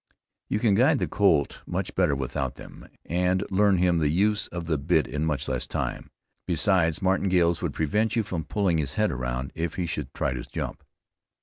You can guide the colt much better without them, and learn him the use of the bit in much less time. Besides, martingales would prevent you from pulling his head around if he should try to jump.